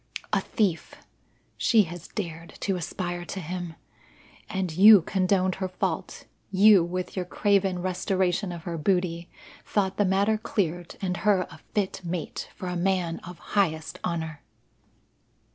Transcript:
A thief she has dared to aspire to him! And you condoned her fault. You, with your craven restoration of her booty, thought the matter cleared and her a fit mate for a man of highest honour."